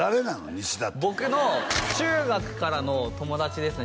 西田って僕の中学からの友達ですね